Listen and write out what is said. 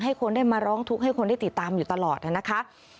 คนได้มาร้องทุกข์ให้คนได้ติดตามอยู่ตลอดนะคะ